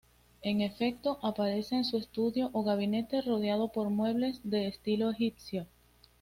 En efecto, aparece en su estudio o gabinete, rodeado por muebles de estilo egipcio.